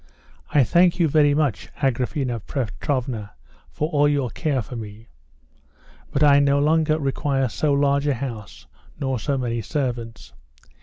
"I thank you very much, Agraphena Petrovna, for all your care for me, but I no longer require so large a house nor so many servants.